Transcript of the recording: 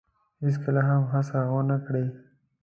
هیڅکله هم هڅه ونه کړی